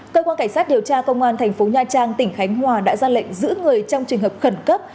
cơ quan cảnh sát điều tra công an thành phố nha trang tỉnh khánh hòa đã ra lệnh giữ người trong trường hợp khẩn cấp